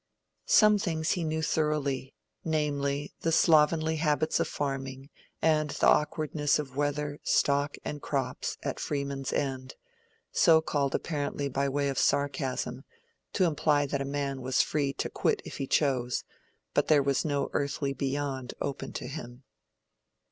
Some things he knew thoroughly, namely, the slovenly habits of farming, and the awkwardness of weather, stock and crops, at Freeman's End—so called apparently by way of sarcasm, to imply that a man was free to quit it if he chose, but that there was no earthly "beyond" open to him.